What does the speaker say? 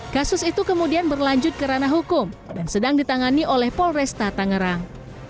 kasus itu kemudian berlanjut ke ranah hukum dan sedang ditangani oleh polresta tangerang